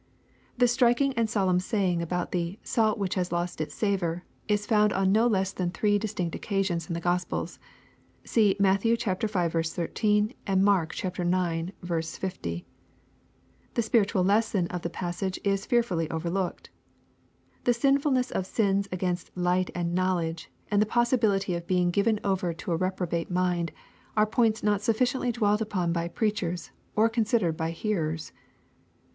'* This striking and solemn saying about the " salt which has lost its savor, is found on no less than three distinct occasions in the Gospels. (See Matt. v. 13, and Mark ix. 50.) The spiritual les son of the passage is fearfully overlooked. The sinfulness of sins against light and knowledge, and the possibility of being given over to a reprobate mind, are points not sufficientiy dwelt upon by preachers, or considered by hearers.